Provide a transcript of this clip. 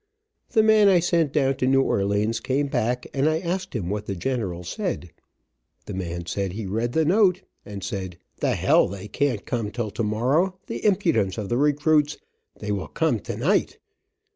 The man I sent down to New Orleans came back and I asked him what the general said. The man said he read the note and said, "The hell they can't come till tomorrow. The impudence of the recruits. They will come tonight!"